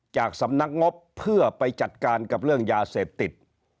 จากสำนักงบเพื่อไปจัดการกับเรื่องยาเสพติด